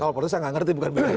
kalau begitu saya tidak mengerti